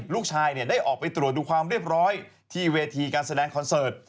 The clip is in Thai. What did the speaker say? ลูกชายได้ออกไปตรวจดูความเรียบร้อยที่เวทีการแสดงคอนเสิร์ต